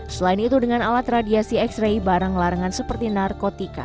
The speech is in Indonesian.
selain itu dengan alat radiasi x ray barang larangan seperti narkotika